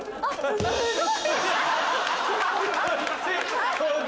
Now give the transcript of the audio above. すごい！